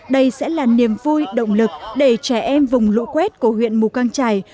đây sẽ là niềm vui động lực để trẻ em vùng lũ quét của huyện mù căng trải